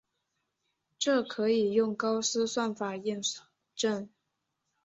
这可以用高斯算法验证。